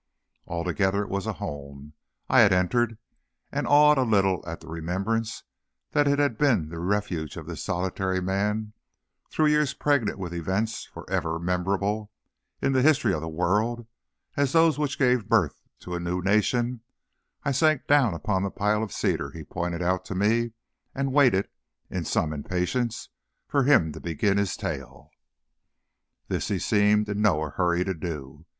Altogether, it was a home I had entered; and awed a little at the remembrance that it had been the refuge of this solitary man through years pregnant with events forever memorable in the history of the world as those which gave birth to a new nation, I sank down upon the pile of cedar he pointed out to me, and waited in some impatience for him to begin his tale. This he seemed in no hurry to do.